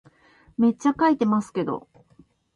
めっちゃ書いてますけど